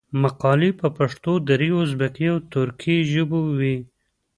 مقالي په پښتو، دري، ازبکي او ترکي ژبو وې.